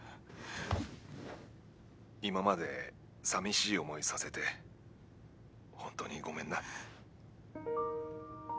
今までさみしい思いさせてホントにごめんな。